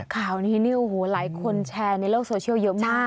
ข่าวนี้นี่โอ้โหหลายคนแชร์ในโลกโซเชียลเยอะมาก